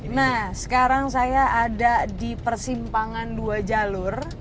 nah sekarang saya ada di persimpangan dua jalur